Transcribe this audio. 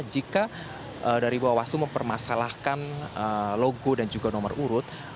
jika dari bawaslu mempermasalahkan logo dan juga nomor urut